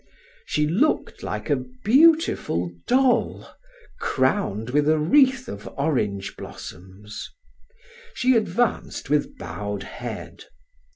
She looked like a beautiful doll, crowned with a wreath of orange blossoms. She advanced with bowed head.